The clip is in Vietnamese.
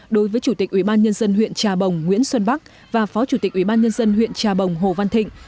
đối với chủ tịch ubnd huyện trà bồng nguyễn xuân bắc và phó chủ tịch ubnd huyện trà bồng hồ văn thịnh